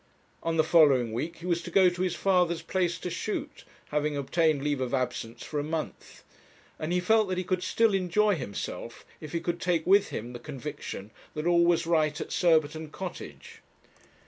On the following week he was to go to his father's place to shoot, having obtained leave of absence for a month; and he felt that he could still enjoy himself if he could take with him the conviction that all was right at Surbiton Cottage.